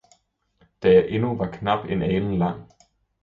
da jeg endnu var knap en alen lang.